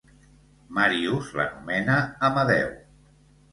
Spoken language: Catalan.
Marius l'anomena Amadeo.